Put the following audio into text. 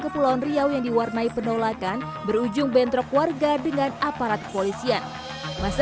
ke pulau nriau yang diwarnai penolakan berujung bentrok warga dengan aparat kepolisian masa